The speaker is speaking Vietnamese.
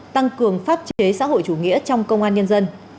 tăng cường pháp chế xã hội chủ nghĩa trong công an nhân dân